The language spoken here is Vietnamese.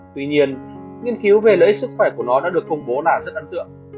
tuy nhiên nghiên cứu về lợi ích sức khỏe của nó đã được công bố là rất ấn tượng